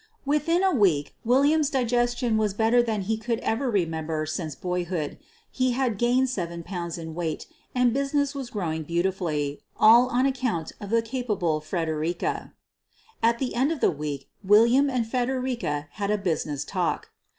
Within a week, William's digestion was better than he could ever remember since boyhood ; he had gained seven pounds in weight and business was growing beauti fully — all on account of the capable Fredericka. At the end of the week, William and Fredericka had a business talk.